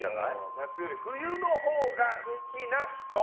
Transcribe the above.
夏より冬のほうが好きな人。